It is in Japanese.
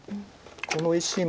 この石も。